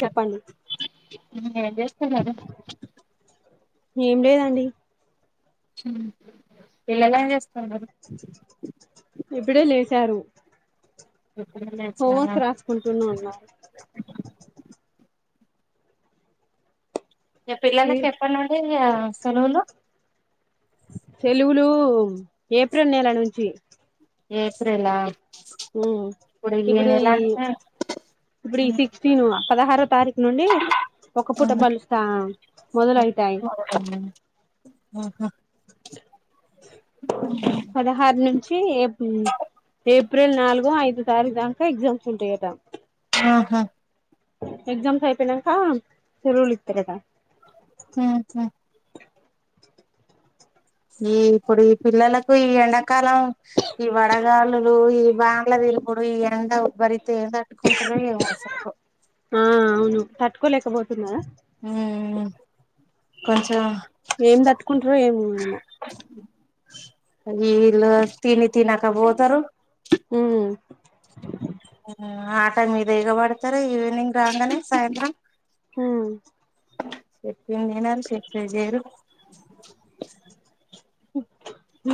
చెప్పండి అ ఏం చెస్తున్నారు ఏం లేదండి పిల్లలు ఏం చేస్ ఇప్పుడే లేసారు హోమ్ వర్క్ రాసుకుంటుఉన్నారు పిల్లల్లకి ఎప్పటి నుండి ఆ సెలవలు సెలువులు ఏప్రిల్ నెల నుంచి ఏప్రెలా ఊ ఇప్పుడు అంతా ఇప్పుడి సిక్టీన్ వా పదహారూ తారీఖు నుండి ఒక పూట బల్లుళ్ళు తా మొదలైతాయి ఆహా పదహారు నుంచి ఏ ఏప్రిల్ నాలుగో ఐదో తారీఖు దాక ఎగ్జామ్స్ ఉంటాయంటా ఆహా ఎక్జామ్స్ అయిపోయినాక సెలవులు ఇస్తారట ఊహూ ఈ ఇప్పుడు ఈ పిల్లలకు ఈ ఎండకాలం ఈ వడగాలులు ఈ వాండ్ల విలుపుడు ఈ ఎండ బరితే ఎండ కొంతలోయె వాసప్ప్ ట్కోలేకపోతున్న ఊమ్ కొంచెం ఏం తట్టుకుంట్రో ఏమేమో అయ్యో ఈల్లు తిని తినక బోతరు ఉమ్ అ మీద ఇగబడతారు ఈవినింగ్ రాంగానే సాయంత్రం ఊమ్ ఇంగ్ నినాన్ శేఖ్ పేజీరు [unintelligible]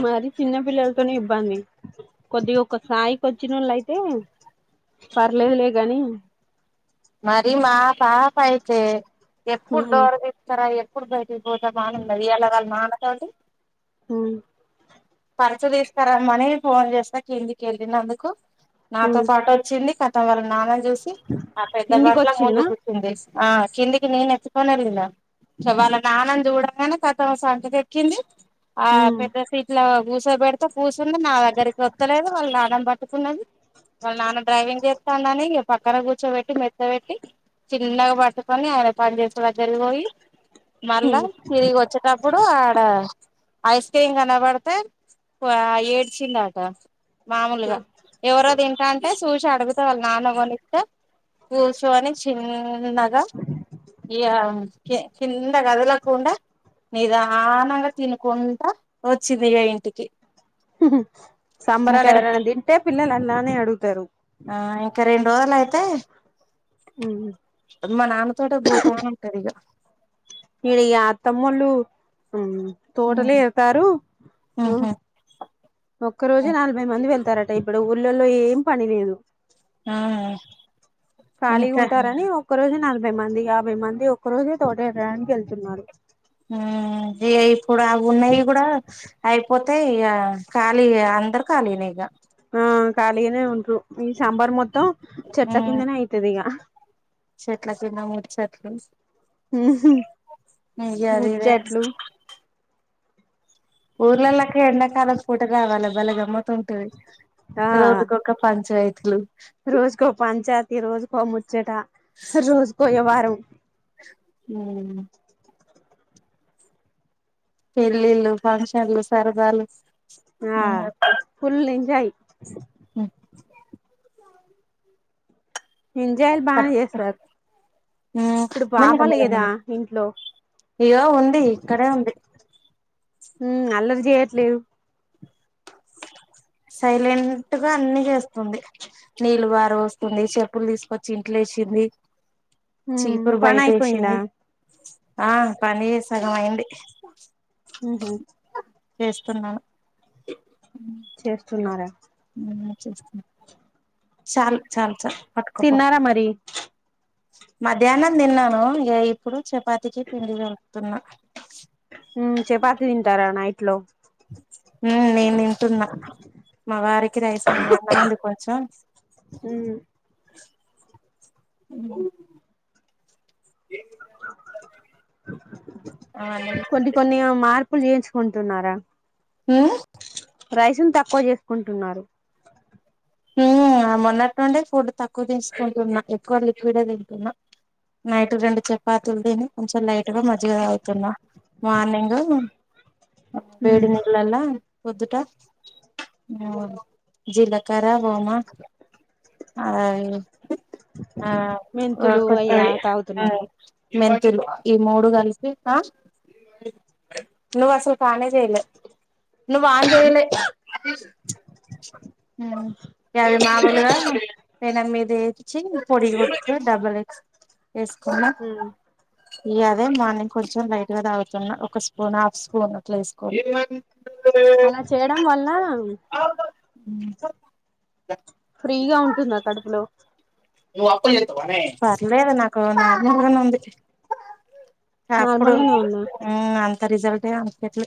మరి చిన్నపిల్లలతోనే ఇబ్బంది కొద్దిగొక స్ధాయికొచ్చినోళ్ళైతే పర్లేదులే గాని మరి మా పాపైతే ఎప్పుడ్ హ్మ్ డోర్ తీస్తార ఎ ప్పుడు బై పోతామా అనున్నది ఇయ్యాలక్ వాళ్ల నాన్న క్వాల్టీ ఉమ్ పర్చు తీసుకొరమ్మని ఫోన్ చేస్తా కిందికెళ్ళినందుకు నాతో హ్మ్ చాటొచ్చింది క పదవి నామన్ జేసి అ పెద్దబట్ల ముందు తిండికొచ్చిందా కూర్చుంది ఆ కిందికి నేనెత్తుకొనెళ్ళినా సో వాళ్ళ నాన్నని చూడంగానే కతం సంక కెక్కింది ఆ హ్మ్ పెద్ద సీట్లా కూసో బెడ్ తే కూసుంది నా దగ్గరికొత్తలేదు వాళ్ళ నాన్నని పట్ ట్టుకున్నది వాళ్ళ నాన్న డ్రైవింగ్ చేత్తాండని ఇగ పక్కన కూర్చోబెట్ మెత్త పెట్టి చిన్నగ పట్టుకొని ఆయన పని చేసె దగ్గరకి పోయి హ్మ్ మళ్ళా తిరిగి వచ్చేటప్పుడు ఆడ ఐస్ క్రీమ్ కనపడితే ఏడ్చిందాట మాములుగా ఎవరో తింటాంటే చూషి అడుగుతే వాళ్ళ నాన్న కొనిత్తె కూసో అని చిన్ న్నగ ఇగ కింద కదలకుండా నిదానంగా తినకుంటడా వచ్చిందిక ఇంటికి హు హు సంబరాలు ఇంకా ఎవరైనా తింటే పిల్లలు అలానే అడుగుతారు రోల్ అయితే హ్మ్ మా నాన్న తోట కి పోథా ఉంటది ఇక నీడు ఈ తమ్మలు ఉ తోటలే ఇతారు ఉ ఉహు ఒక్క రోజు నలభై మంది వెళ్తారట ఇప్పుడు ఉర్లాల్ ఏం పని లేదు ఆ ఖాళీగా ఇంకా ఉంటారని ఒక్క రోజు నాలుగు యాబై మంది యాభై మంది ఒక్క రోజే తోట ఎరడానికి వెళ్తున్నారు హ్మ్ ఈగా కూడా బన్నా కూడా పోతే ఇ ఖాళీ అందరు ఖాళీనేక ఆ కాలగనే ఉంట్రు ఈ సాంబార్ మొత్తం చెట్ల కిందనే అవుతది ఇక చెట్లా కింధా మూచ్చట్లు ఉహుమ్ అది ఇదే ముచాట్లు ఊర్లలాక్క ఎండకలం పోూట రావాల బల్ గమ్త్తు ఉంటేవి ఆ రోజుకు ఒక పంచమైతు థిట్లు ఈ రోజు కొమ్ము చ్చట రోజు పోయే వారం ఉమ్ పెళ్ళిళ్ళు ఫంక్షన్లు సరదాలు ఆ ఫుల్ నింజయి్ హ ఎంజాయలు బాగా చేస్తారు ఇప్పుడు మెల్లగా బాపాల మెల్లగా కదా మెల్లగా ఇంట్లో ఇగో ఉంది ఇక్కడే ఉంది హ అలర చేయట్లేదు సైలెంట్గా అన్ని చేస్తుంది నీళ్లు బారం వస్తుంది చెప్పులు తీసుకొచ్చి ఇంట్లో వసిింది హ పణ ఆయిపోయిందా ఆ పని సగం అయింది ఉహుమ్ చేస్తున్నాను చేస్తున్నారా వు చేస్తూన్న చాల్ చాలు చాలు తిన్నారా మరి మధ్యాహ్నం తిన్నాను ఇప్పుడు చపాతికి పిండి తడుపుతున్నా ఉ చపాతి తింటారా నైట్ లో ఆ నేను తింటున్నా మా వారికి రైస్ అన్నముంది కొంచెం ఉమ్ ఉ కొన్ని కొన్ని మారువ్ ఇప్పుడు చేయించుకుంటున్నారా హ‌‌‍ హ హ రైసులు తక్కువ చేసుకుంటున్నారు ఆ మొన్నటి నుండే ఫుడ్ తక్కువ తీసుకుంటున్నా ఎక్కువ లిక్విడ్ తింటున్నా నైట్ రెండు చపాతీలు తిని కొంచెం లైట్గా మజ్జిగ అవుతున్నాం మార్నింగ్ వేడి నీళాల్లొ పొద్దుట జీలా కర్ర వోమా హాయ్ ఆ మెంతులు ఎవరికి అయ్యా వత్తాయి ఆ తాగుతున్నారు ఈ మూడు కలిసి ఆ నువ్వు అసలు నూనె అ చేయలే నువ్వు ఆన్ చేయలే గదే మామూలుగానె పేనం మీద ఏపించి పొడి గొట్కొ డబల్ ఎగ్స్ వేసుకోన ఉమ్ ఇక అదే మార్నింగ్ కొంచెం లైట్ గా తాగుతున్న ఒక స్పూన్ హాఫ్ స్పూన్ అట్లా వేసుకోని అలా చేయడం వల్ల [unintelligible] ఫ్రీగా ఉంటుందా కడుపులో పర్లేదు నాకు నార్మూలుగానే ఉంది అప్పుడు నార్మల్గానే ఉందా ఆ అంతే రిజల్ట్ అనక ఎట్లొ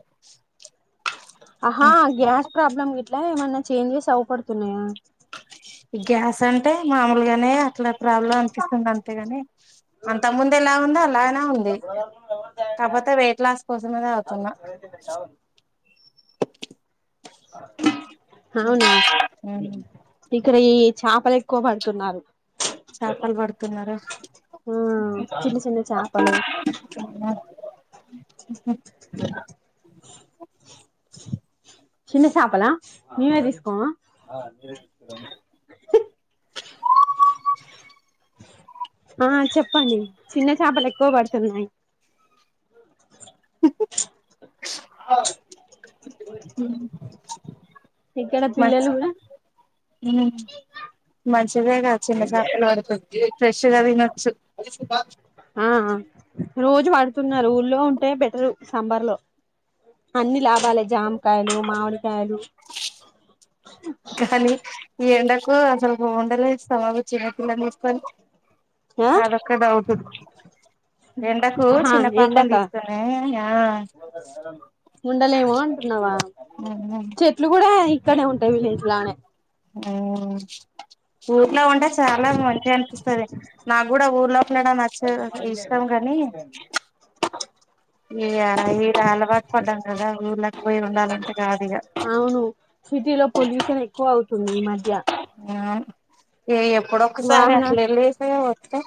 ఆహా గ్యాస్ ప్రాబ్లమ్ ఎ ఇట్లా ఏమన్నా చేంజెస్ అవ్వపడుతున్నాయా ఈ గ్యాస్ అంటే మామూలుగానే అట్లా ప్రాబ్లం అనిపిస్తుంది అంతేగాని అంతకు ముందెఎలా ఉందో అల అ ఉంది కాకపోతే వెయిట్ లాస్ కోసమే తాగుతున్న ఉహ్ అవునా ఉహ్ ఇక్కడ ఈ చాపలు ఎక్కువ పడుతున్నారు. చాపలు పడుతున్నార. ఆ చిన్న [unintelligible] చిన్న [unintelligible] చేపలు ఉహ్ [unintelligible] చిన్న చాపలా మీమే తీసుకోవా ఆ చెప్పండి చిన్న చాపలు ఎక్కువ పడుతున్నాయి. అవు ఉహ్ ఇక్కడ మంచ్ పిల్లలు కూడా ఉహ్ మంచిదే గా చిన్నచాపలు పడుతుంద్ ఇగా ఫ్రెష్గా తినొచ్చు. ఆహ్ ఆ రోజు పడుతున్నారు. ఊల్లో ఉంటే బెటరు సంబర్ లో అన్ని లాభాలే జామకాయలు, మామిడికాయలు, కానీ ఈ ఎండల్ కు అస్సల్ ఉండలేస్తామా వచ్చిన పిల్లన్ తీసుకొని ఆ అదొక్క డవుటు. ఎండకు ఆహా చిన్న పాపన్ ఎండక తీసుకునే ఆహ్ ఉండలేమో అంటున్నావా ఉహ్ హు ఇక్కడనే ఉంటాయి. విలేజ్ లానే ఉహ్ ఊర్లో ఉంటే చాలా మంచిగా అనిపిస్తది. నాకు గూడా ఊర్ లోపల నుడం నచ్చదు. ఇష్టం కాని ఈ అలవాటు పడ్డాం కదా. ఊర్లోకి పోయి ఉండాలంటే కాదు ఇగా అవును తుంది ఈ మధ్య ఆహ్ ఇగ ఎప్పుడొ ఒకసారి వాహన అట్ల వెళ్ళస్తే ఈ టే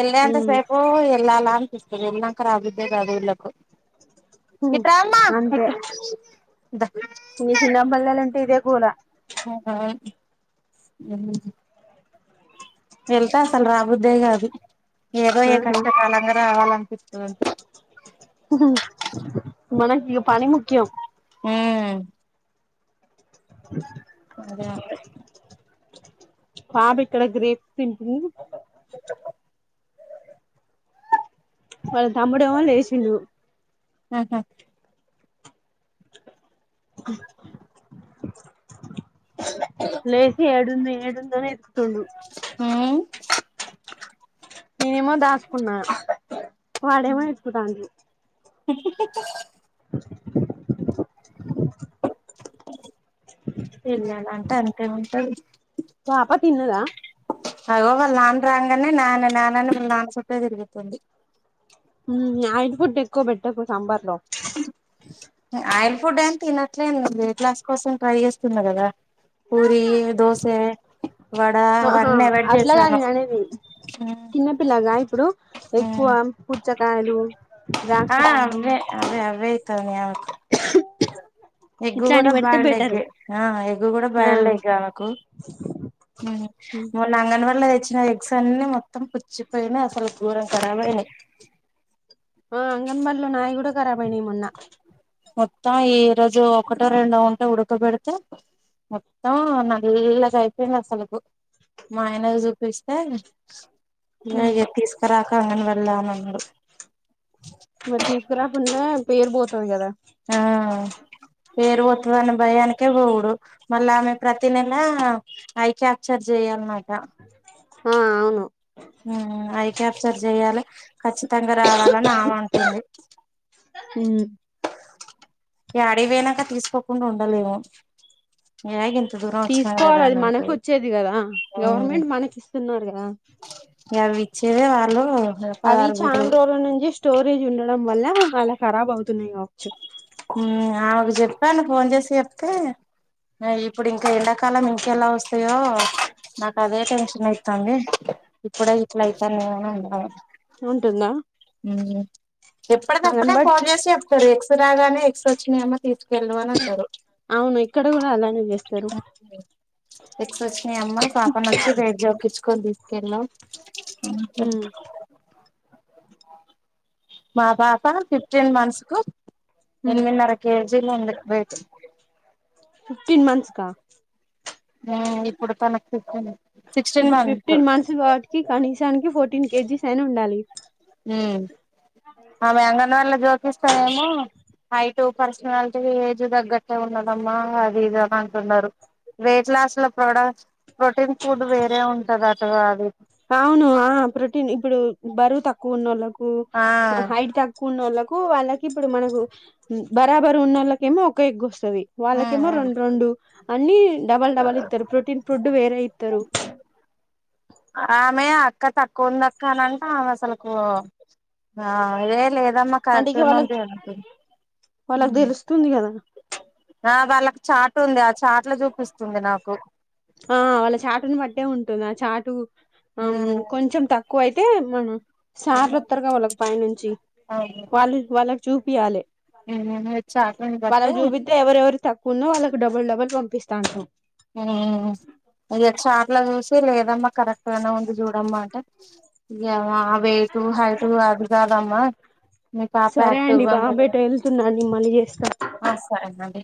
ఎళ్ల్ అంత సేపు ఉమ్ ఎల్లారా అనిపిస్తది. నాక్ రాబుద్దే కాదు వుళ్ళకు ఇట్ర అమ్మా ద ఈ చిన్నబల్లలుంటే ఇదే గోల వెళ్తా అసలు రాబోద్దే కాదు. ఏదో ఏ ఆహా కష్టకాలంగా రావాల పిస్తుంది మనకి ఇగ పని ముఖ్యం. ఉహ్ అదే అలవై పాప ఇక్కడ గ్రేప్స్ తింటుంది. వాళ్ళ తమ్ముడమో లేషిండు ఆహా లేసి ఏడుంది ఏడుంది. అని ఎతుకుతుండు కాక్. [unintelligible] నేనేమో దాసుకున్నాను వాడేమో ఎత్తుతాడు. హు హు. నాన్ నికి. [unintelligible] [unintelligible] పిల్లలు అంటే అంతే ఉంటాది. పాపా తిన్నదా. అయ్యో వాళ్ళు నాన్న రాగానే నాన్న నాన్నని వాళ్ళ నాన్న చుట్టే తిరుగుతుంది. హు ఆయిల్ ఫుడ్డు ఎక్కువ పెట్టకు. సాంబర్లో. ఆయిల్ ఫుడ్ అంత తినట్లే వేట్ లాస్ కోసం ట్రై చేస్తున్న కదా. పూరి, దోసె. ఆహా అట్లాగా నేను అనేది చిన్నపిల్లగా ఇప్పుడు. ఎక్కువ పుచ్చకాయలు, ద్రాక్ష పండ్లు. ఆ. [unintelligible] ఎగ్ కూడా ఇట్లాంటివి పెడితే బాయిల్డ్ ఎగ్. బెటరు ఆ ఎగ్ కూడా ఆ బాయిల్డ్ ఎగ్ అనకు, మొన్న అంగన్వాడి లో తెచ్చిన ఎగ్స్ అన్ని మొత్తం. మొత్తం పుచ్చి పోయిన అసలు. ఘోరంగా ఖరాబ్ అయినవి. ఆ అంగన్వాడలో నాయి కూడా. ఖరాబ్ అయినాయి మొన్న. [inaudible] మొత్తం ఈ రోజు ఒకటో రెండో ఉంటే ఉడకబెడితే మొత్తం నల్లగా అయిపోయింది. అసలు మా ఆయనకి చూపిస్తే. ఏగ తీసుకా రాకు. అంగన్వాడలా అన్నాడు. మరి తీసుకురా కుండా పేరు పోతుంది కదా. ఆ పేరు పోతుందని భయానికే పోవుడు మళ్ళా ఆమె ప్రతి నెల ఐ క్యాప్చర్ చెయాలిన్నట్టా. ఆ అవును. ఐ కెపచర్ చేయాలె ఖచ్చితంగా రావాలని అమె అంటుంది. యడికి పోయినాక తీసుకోకుండా ఉండలేము ఏ ఇంత. తీసుకోవాల మనకు వచ్చేది కదా, గవర్నమెంట్ మనకి ఇస్తున్నారుగాదా. అవి విచ్చేదే వాళ్ళు. అవి పదహారు గుడ్లు చాన్ రోజుల నుంచి స్టోరేజ్ ఉండ. డం వల్ల అలా ఖరాబ్ అవుతున్నాయి కావచ్చు. ఆమెకు చెప్పాను ఫోన్ చేసి చెప్తే ఇప్పుడు ఇంకా ఎండాకాలం ఇంకెలా వస్తాయో నాకు అదే టెన్షన్ అవుతుంది. ఇప్పుడే ఇట్లా అయితున్నాయి అన్నది. ఉంటుందా ఎప్పుటి అవును దప్పుడే బట్ ఫోన్ చేసి చెప్తారు ఎగ్స్ రాగానే. ఎగ్స్ వచ్చినాయమ్మ తీసుకెళ్ళు అని అంటారు. అవును ఇక్కడ కూడా అలానే చేస్తారు ఎగ్స్ వచ్చినయిఅమ్మ పాపని వచ్చి వెయిట్ చేపించుకుని తీసుకెళ్ళు కేళ్ళు. ఉమ్ మా పాప ఫిఫ్టీన్ మంత్స్ కు ఎనిమిదిన్నర కేజీలు ఉంది వేటు ఫిఫ్టీన్ మంత్స్ కా ఆ ఇప్పుడు తనకు ఫిఫ్టీన్ ఇప్పుడు ఫిఫ్టీన్ మంత్స్ కాబట్టి కనీసానికి ఫోర్టీన్ కేజీస్ అయినా ఉండాలి హమ్ ఆమె అంగన్వాళ్ళ జోపిస్తాయేమో హైట్ పర్సనాలిటీ ఏజ్ తగ్గట్టే ఉన్నదమ్మా అది ఇది అని అంటున్నారు వెయిట్ లాస్ లో ప్రొడక్ట్స్ ప్రోటీన్ ఫుడ్ వేరే ఉంటదట అది అవును ఆ ప్రోటీన్ ఇప్పుడు బరువు తక్కువ ఉన్నోళ్లకు ఆ కు హైట్ తక్కువ ఉన్నోళ్లక్ కు వాళ్ళకి ఇప్పుడు మనకు బరాబరు ఉన్న వాళ్ళకేమో ఒక ఎగ్ వస్ తది వాళ్ళకేమో రెండు రెండు అన్ని డబల్ డబల్ ఇస్తారు ప్రోటీన్ ఫుడ్ వేరే ఇస్తరు మె అక్క తక్కువ ఉంది అక్క అనంట ఆమే అసలుకు ఆ లేదమ్మా అంటే కరెక్ట్ ఇగ వాళ్ళకి నే వాళ్ళకి [inaudible] తెలుస్తుంది కదా ఆ వాళ్ళకి చాటు ఉంది ఆ చాట్ల చూపిస్తుంది నాకు ఆ వాళ్ళ చాటుని బట్టే ఉంటుంది చాటు ఆ కొంచెం తక్కువ అయితే మన సర్లోత్తరుగా వాళ్ళకు పై నుంచి వాళ్ళు వాళ్ళకు చూపియాలి చాట్ ని బట్టి వాళ్ళకు చూపిస్తే ఎవరెవరు తక్కువ ఉన్న వాళ్ళకి డబుల్ డబుల్ పంపిస్తాన్రు హా ఇక చాట్ల చూసి లేదమ్మా కరెక్ట్ గానే ఉంది చూడమ్మా అంటే ఇగ వేయిటు హైటు అది కాదమ్మా మీ పాప సరే యాక్టివ్ అండి గా బాబు ఉండదు ఎటో ఎల్తున్నాడు నేను మళ్ళీ చేస్తా ఆ సరేనండి